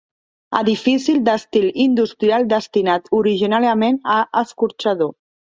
Edifici d'estil industrial destinat originàriament a escorxador.